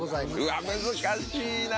うわっ難しいな。